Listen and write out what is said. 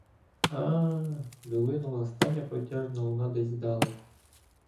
— А-а-а-а-а! — долинула остання протяжна луна десь здалеку.